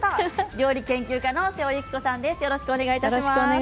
料理研究家の瀬尾幸子さんです。